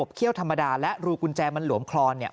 เขี้ยวธรรมดาและรูกุญแจมันหลวมคลอนเนี่ย